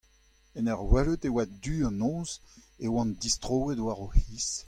en ur welet e oa du an noz e oant distroet war o c'hiz.